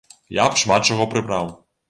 Я б шмат чаго прыбраў.